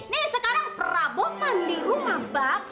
nih sekarang perabotan di rumah bak